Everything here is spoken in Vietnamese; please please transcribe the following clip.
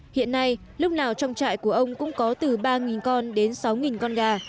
hiện nay lúc nào trong trại của ông cũng có từ ba con đến sáu con gà